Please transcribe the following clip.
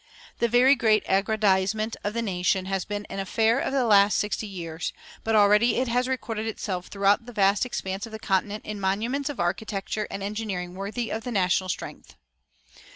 The very great aggrandizement of the nation has been an affair of the last sixty years; but already it has recorded itself throughout the vast expanse of the continent in monuments of architecture and engineering worthy of the national strength.